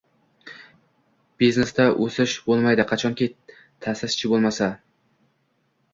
Biznesda o'shis bo'lmaydi, qachonki ta'sischi bo'lmasa.